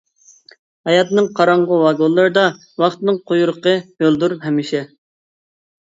ھاياتنىڭ قاراڭغۇ ۋاگونلىرىدا ۋاقىتنىڭ قۇيرۇقى ھۆلدۇر ھەمىشە.